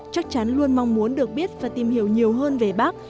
chắc chắn luôn mong muốn được biết và tìm hiểu nhiều hơn về bác